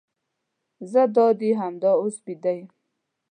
زه دادي همدا اوس بیده یم.